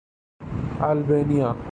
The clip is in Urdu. البانیہ